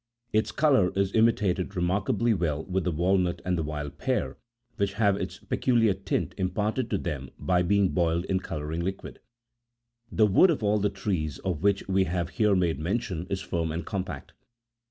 Its colour is imitated remarkably well with the walnut and the wild pear, which have its peculiar tint imparted to them by being boiled in colouring liquid. The wood of all the trees of which we have here made mention is firm and compact.